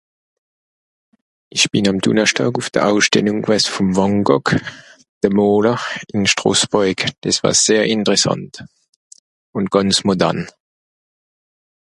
Jeudi j'étais à l'Expo Van Gogh, le peintre à Strasbourg, C'était très intéressant et très moderne